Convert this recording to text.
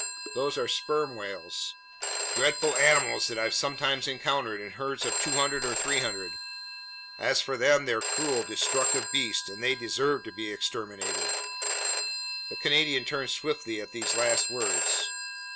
"Those are sperm whales, dreadful animals that I've sometimes encountered in herds of 200 or 300! As for them, they're cruel, destructive beasts, and they deserve to be exterminated." The Canadian turned swiftly at these last words.